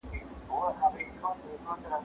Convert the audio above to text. هغه ساعت، هغه مصلحت.